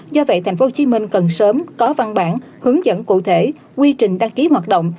do vậy tp hcm cần sớm có văn bản hướng dẫn cụ thể quy trình đăng ký hoạt động